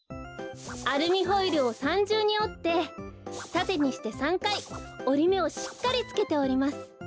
アルミホイルを３じゅうにおってたてにして３かいおりめをしっかりつけております。